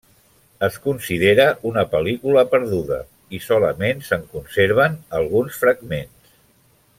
Es considera una pel·lícula perduda i solament se’n conserven alguns fragments.